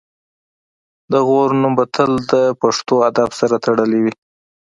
د غور نوم به تل د پښتو ادب سره تړلی وي